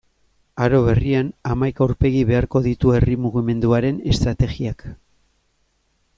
Aro berrian, hamaika aurpegi beharko ditu herri mugimenduaren estrategiak.